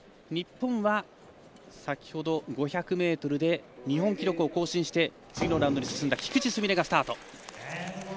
日本は先ほど５００ｍで日本記録を更新して次のラウンドに進んだ菊池純礼がスタート。